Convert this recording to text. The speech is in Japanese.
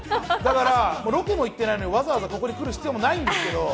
ロケも行ってないのに、わざわざここに来る必要もないんですけど。